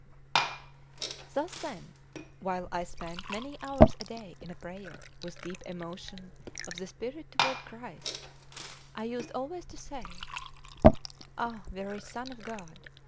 Thus then, while I spent many hours a day in prayer with deep emotion of the spirit toward Christ, I used always to say: "Ah, very Son of God!